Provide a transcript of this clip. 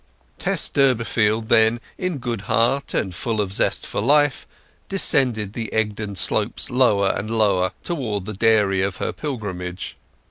Tess Durbeyfield, then, in good heart, and full of zest for life, descended the Egdon slopes lower and lower towards the dairy of her pilgrimage.